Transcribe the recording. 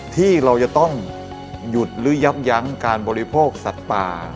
ที่เราจะต้องหยุดหรือยับยั้งการบริโภคสัตว์ป่า